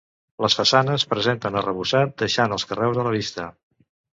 Les façanes presenten arrebossat deixant els carreus a la vista.